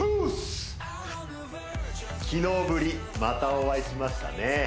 昨日ぶりまたお会いしましたね